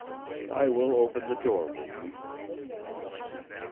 "I will open the door, Mélisse."